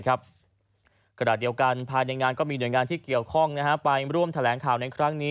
ขณะเดียวกันภายในงานก็มีหน่วยงานที่เกี่ยวข้องไปร่วมแถลงข่าวในครั้งนี้